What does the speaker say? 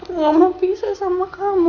gak mau pisah sama kamu